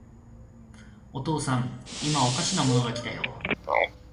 お父さん、いまおかしなものが来たよ。